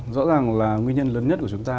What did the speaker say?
rõ ràng là nguyên nhân lớn nhất của chúng ta